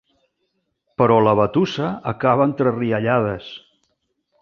Però la batussa acaba entre riallades.